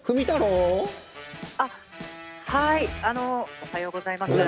おはようございます。